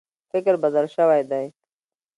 فکر بدل شوی دی.